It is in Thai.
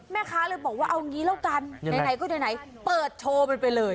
แม่ค้าเลยบอกว่าเอางี้แล้วกันไหนก็ไหนเปิดโชว์มันไปเลย